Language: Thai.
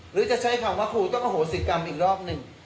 หรือจะใช้คำว่าครูต้องอโหสิกรรมอีกรอบหนึ่ง